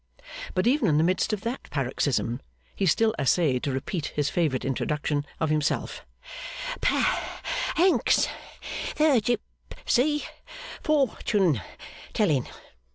But even in the midst of that paroxysm, he still essayed to repeat his favourite introduction of himself, 'Pa ancks the gi ipsy, fortune telling.